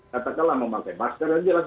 katakanlah memakai masker